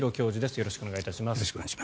よろしくお願いします。